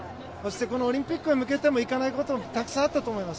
オリンピックに向けてもうまくいかないことがたくさんあったと思います。